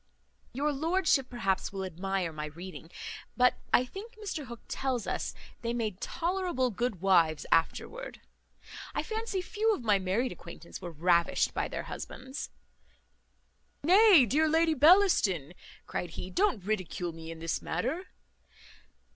Your lordship, perhaps, will admire my reading; but I think Mr Hook tells us, they made tolerable good wives afterwards. I fancy few of my married acquaintance were ravished by their husbands." "Nay, dear Lady Bellaston," cried he, "don't ridicule me in this manner."